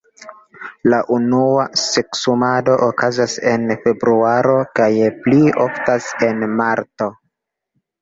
La unua seksumado okazas en februaro kaj pli oftas en marto.